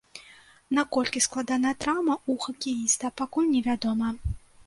Наколькі складаная траўма ў хакеіста, пакуль невядома.